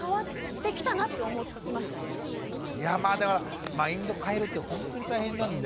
いやまあだからマインド変えるってほんとに大変なんで。